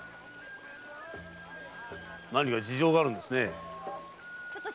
何か事情があるのですね。